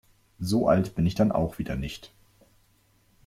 So alt bin ich dann auch wieder nicht.